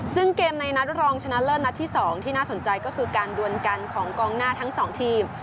ซึ่งเกมในนัดรองชนะเลิศนัดที่๒ที่น่าสนใจก็คือการดวนกันของกองหน้าทั้งสองทีม